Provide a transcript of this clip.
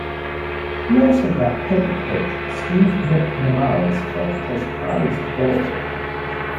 He also got Head Coach Steve McNamara's vote as Prized Bull.